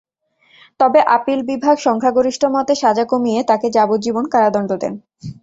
তবে আপিল বিভাগ সংখ্যাগরিষ্ঠ মতে সাজা কমিয়ে তাঁকে যাবজ্জীবন কারাদণ্ড দেন।